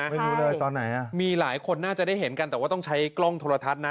ไม่รู้เลยตอนไหนอ่ะมีหลายคนน่าจะได้เห็นกันแต่ว่าต้องใช้กล้องโทรทัศน์นะ